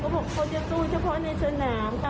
เขาจะสู้เฉพาะในสนาม